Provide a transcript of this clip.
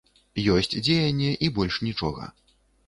Ёсць дзеянне, і больш нічога.